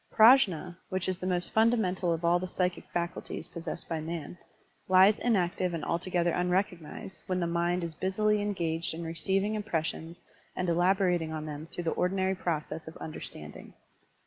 PrajM, which is the most ftmda mental of all the psychic faculties possessed by man, lies inactive and altogether unrecognized when the mind is busily engaged in receiving ^impressions and elaborating on them through the ordinary process of understanding.